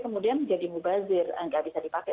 kemudian menjadi mubazir nggak bisa dipakai